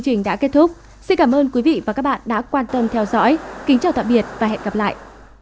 cảm ơn các bạn đã theo dõi và hẹn gặp lại